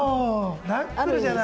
ナックルじゃない。